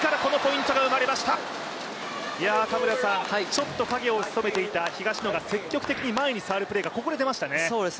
ちょっとかげをひそめていた東野が積極的に前に触るプレーがここで出ましたね。